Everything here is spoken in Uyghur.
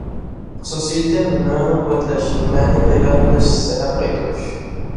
خۇسۇسىيىتى مىڭىنى قۇۋۋەتلەش، مەنىي پەيدا قىلىش، زەھەر قايتۇرۇش.